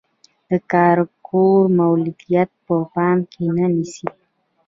د کارګرو مولدیت په پام کې نه نیسي.